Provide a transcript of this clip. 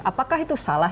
apakah itu salah